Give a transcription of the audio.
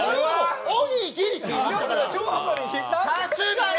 おにぎりって言いましたから。